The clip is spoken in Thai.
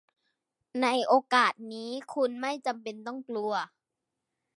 ในโอกาสนี้คุณไม่จำเป็นต้องกลัว